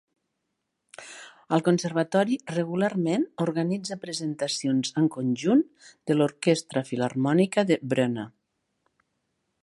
El conservatori regularment organitza presentacions en conjunt de l'Orquestra Filharmònica de Brno.